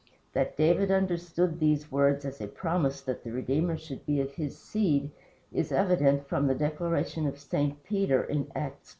That David understood these words as a promise that the Redeemer should be of his seed is evident from the declaration of St. Peter in Acts ii.